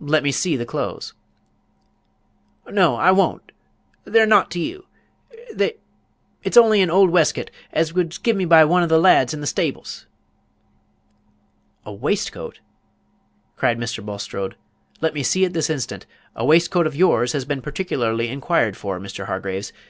Let me see the clothes." "No, I won't; they're nowght to you. They it's only an old weskit as was give me by one o' th' lads in th' steables." "A waistcoat!" cried Mr. Bulstrode; "let me see it this instant. A waistcoat of yours has been particularly inquired for, Mr. Hargraves.